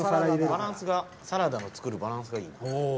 バランスがサラダを作るバランスがいいな。